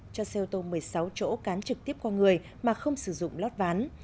cho xe ô tô một mươi sáu chỗ cán trực tiếp qua người mà không sử dụng lót ván